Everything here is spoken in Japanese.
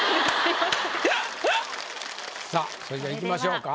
さあそれじゃいきましょうか。